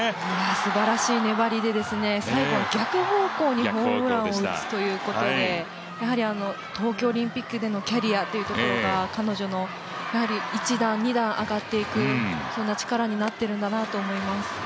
すばらしい粘りで最後は逆方向にホームランを打つということで東京オリンピックでのキャリアというところが彼女の一段、二段上がっていく、そんな力になっているんだなと思います。